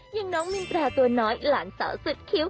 ยังน้องมินตาเตอร์น้อยหลานเจ้าสุดคิ้ว